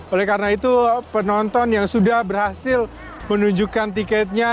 oleh karena itu penonton yang sudah berhasil menunjukkan tiketnya